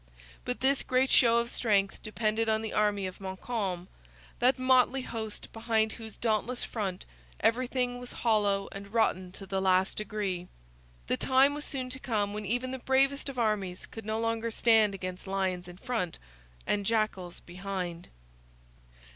But this great show of strength depended on the army of Montcalm that motley host behind whose dauntless front everything was hollow and rotten to the last degree. The time was soon to come when even the bravest of armies could no longer stand against lions in front and jackals behind.